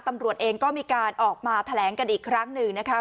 ตำรวจเองก็มีการออกมาแถลงกันอีกครั้งหนึ่งนะคะ